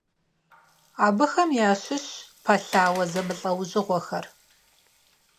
Абыхэм ящыщщ пэлъауэ зэмылӀэужьыгъуэхэр.